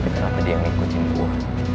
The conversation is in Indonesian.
tapi kenapa dia ngikutin gue